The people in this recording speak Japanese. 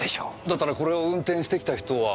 だったらこれを運転してきた人は。